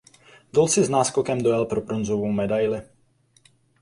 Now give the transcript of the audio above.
Doll si s náskokem dojel pro bronzovou medaili.